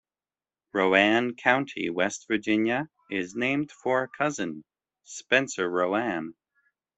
Roane County, West Virginia, is named for a cousin, Spencer Roane.